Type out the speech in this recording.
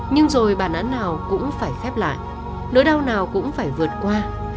nhưng rồi bản án nào cũng phải khép lại nỗi đau nào cũng phải vượt qua